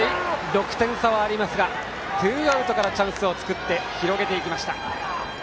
６点差がありますがツーアウトからチャンスを作って広げていきました。